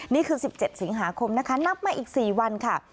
นี่คือ๑๗สิงหาคมนะคะนับมาอีก๔วันค่ะ